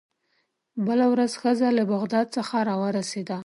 بله ورځ ښځه له بغداد څخه راورسېده.